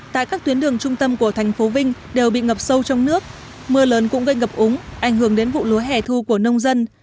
tại các tuyến đường trung tâm của thành phố vinh đều bị ngập sâu trong nước mưa lớn cũng gây ngập úng ảnh hưởng đến vụ lúa hẻ thu của nông dân